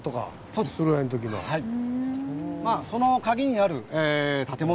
はい。